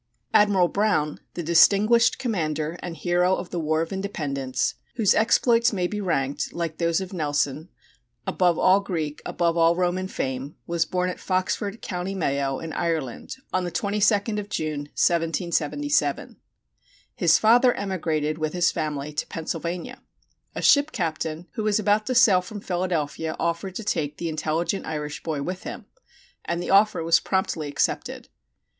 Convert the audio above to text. Admiral Brown, the distinguished commander and hero of the War of Independence, whose exploits may be ranked, like those of Nelson, "above all Greek, above all Roman fame," was born at Foxford, Co. Mayo, Ireland, on the 22nd of June, 1777. His father emigrated with his family to Pennsylvania. A ship captain who was about to sail from Philadelphia offered to take the intelligent Irish boy with him, and the offer was promptly accepted.